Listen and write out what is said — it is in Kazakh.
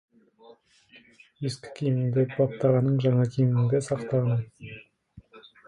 Ескі киімді баптағаның, жаңа киімді сақтағаның.